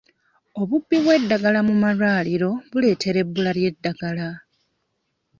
Obubbi bw'eddagala mu malwaliro buleetera ebbula ly'eddagala.